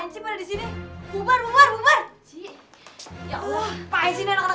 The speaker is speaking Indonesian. anak anak jangan pergi dulu kan ngajinya belum selesai